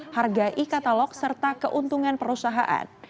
harga e katalog serta keuntungan perusahaan